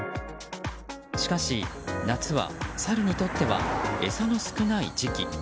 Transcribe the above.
しかし、夏はサルにとっては餌の少ない時期。